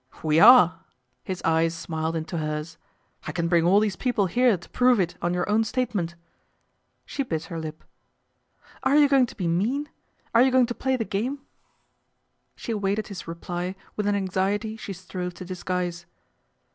" We are," his eyes smiled into hers. " I can bring all these people here to prove it on your own statement." She bit her lip. " Are you going to be mean ? Are you going to play the game ?" She awaited his reply with an anxiety she strove to disguise.